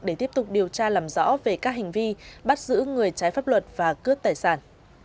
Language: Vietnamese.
để tiếp tục điều tra làm rõ về các hành vi bắt giữ người trái pháp luật và cướp tài sản